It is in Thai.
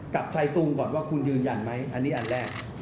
กับชายตุงก่อนว่าคุณยืนยันไหมอันนี้อันแรก